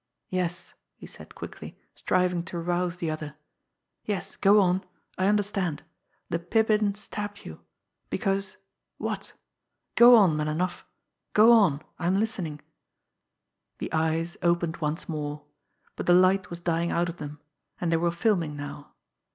"Yes!" he said quickly, striving to rouse the other. "Yes; go on! I understand. The Pippin stabbed you. Because what? Go on, Melinoff! Go on! I am listening." The eyes opened once more but the light was dying out of them, and they were filming now.